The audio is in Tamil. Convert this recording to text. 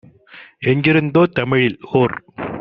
எங்கிருந்தோ தமிழில் - ஓர்